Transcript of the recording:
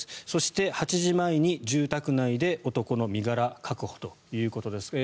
そして、８時前に住宅内で男の身柄確保ということです。